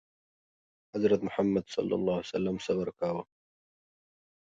حضرت محمد ﷺ صبر کاوه.